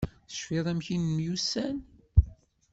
Tecfiḍ amek nemyussan?